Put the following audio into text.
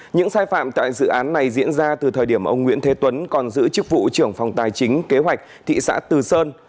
những sai phạm tại dự án này diễn ra từ thời điểm ông nguyễn thế tuấn còn giữ chức vụ trưởng phòng tài chính kế hoạch thị xã từ sơn